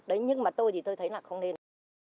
đấy nhưng mà tôi thì tôi thấy là không nên